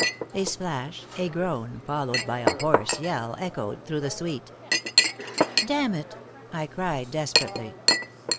A splash, a groan, followed by a hoarse yell, echoed through the suite. "Damn it!" I cried, desperately.